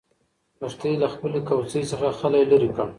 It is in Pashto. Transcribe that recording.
لښتې له خپلې کوڅۍ څخه خلی لرې کړ.